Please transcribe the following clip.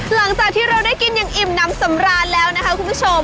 หลังจากที่เราได้กินอย่างอิ่มน้ำสำราญแล้วนะคะคุณผู้ชม